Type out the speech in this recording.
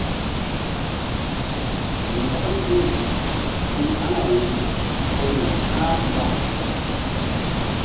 Nzak nduh un aŋayri ko nay kpah mba.